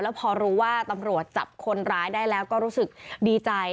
พอรู้ว่าตำรวจจับคนร้ายได้แล้วก็รู้สึกดีใจ